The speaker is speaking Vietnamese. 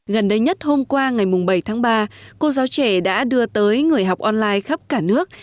gần đây nhất hôm qua ngày bảy tháng ba cô giáo trẻ đã đưa tới người học online khắp cả nước